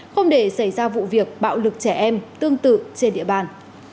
không để xảy ra vụ việc bạo lực trẻ em tương tự trên địa bàn